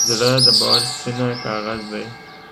زړه د باور سپینه کاغذ دی.